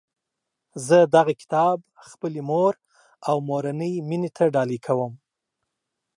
زه دغه کتاب خپلي مور او مورنۍ میني ته ډالۍ کوم